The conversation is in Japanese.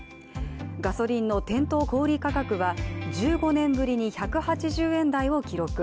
ガソリンの店頭小売価格は１５年ぶりに１８０円台を記録。